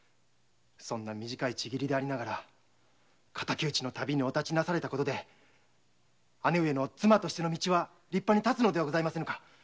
そんな短い契りでありながら敵討ちの旅にお立ちなされて姉上の妻としての道は立派に立つのではございませぬか。